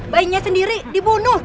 bayinya sendiri dibunuh